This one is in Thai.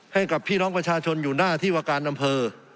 ให้กับพี่น้องประชาชนอยู่หน้าที่วการอำเภอ